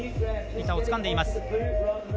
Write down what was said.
板をつかんでいます。